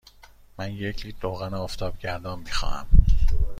من یک لیتر روغن آفتابگردان می خواهم.